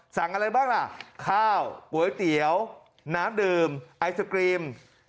อะไรบ้างล่ะข้าวก๋วยเตี๋ยวน้ำดื่มไอศกรีม